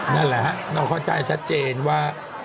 นั่นแหละครับน้องเข้าใจชัดเจนว่า